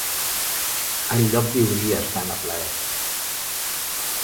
Enlloc viuries tan a plaer.